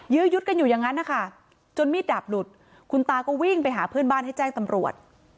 ื้อยุดกันอยู่อย่างนั้นนะคะจนมีดดาบหลุดคุณตาก็วิ่งไปหาเพื่อนบ้านให้แจ้งตำรวจ